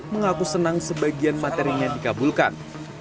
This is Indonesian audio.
mengaku senang sebagian materinya dikabulkan